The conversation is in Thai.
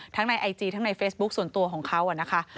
ทั้งในไอจีและในเฟซบุ๊กส่วนตัวของเขาอะนะคะ